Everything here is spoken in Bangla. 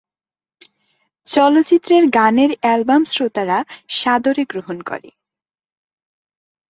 চলচ্চিত্রের গানের এ্যালবাম শ্রোতারা সাদরে গ্রহণ করে।